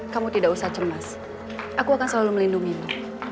kamu tidak usah cemas aku akan selalu melindungimu